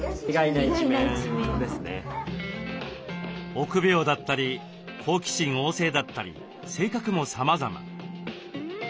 臆病だったり好奇心旺盛だったり性格もさまざま。